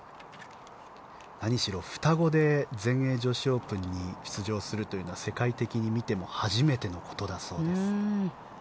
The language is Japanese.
何しろ双子で全英女子オープンに出場するというのは世界的に見ても初めてのことだそうです。